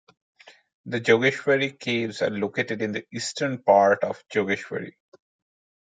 The Jogeshwari caves are located in the eastern part of Jogeshwari.